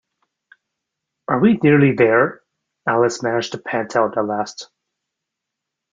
‘Are we nearly there?’ Alice managed to pant out at last.